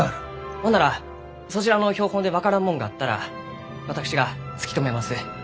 ほんならそちらの標本で分からんもんがあったら私が突き止めます。